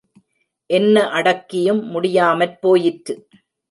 என்ன அடக்கியும் முடியாமற் போயிற்று.